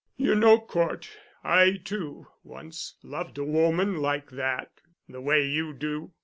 You know, Cort, I, too, once loved a woman like that—the way you do.